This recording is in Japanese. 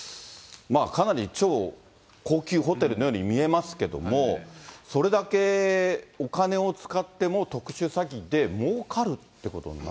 かなり超高級ホテルのように見えますけども、それだけお金を使っても、特殊詐欺でもうかるっていうことになる？